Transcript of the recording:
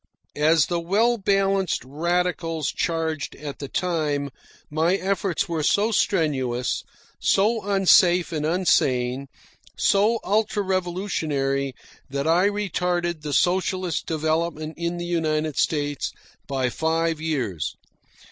As the "well balanced radicals" charged at the time, my efforts were so strenuous, so unsafe and unsane, so ultra revolutionary, that I retarded the socialist development in the United States by five years.